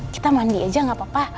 kita mandi aja gak apa apa